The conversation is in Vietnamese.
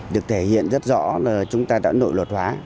được thể hiện rất rõ là chúng ta đã nội luật hóa